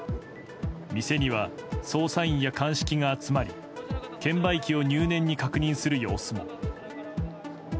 店には捜査員や鑑識が集まり券売機を入念に確認する様子も。